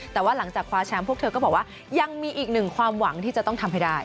แต่ว่าหลังจากคว้าแชมป์พวกเธอก็บอกว่ายังมีอีกหนึ่งความหวังที่จะต้องทำให้ได้